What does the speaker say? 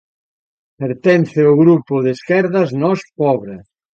Pertence o grupo de esquerdas Nós Pobra.